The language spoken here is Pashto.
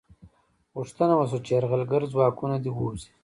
غوښتنه وشوه چې یرغلګر ځواکونه دې ووځي.